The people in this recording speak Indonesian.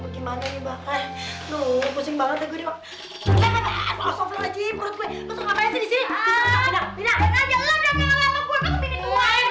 wah berhasil pelutuk